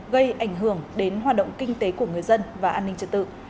gây ảnh hưởng đến hoạt động kinh tế của người dân và an ninh trật tự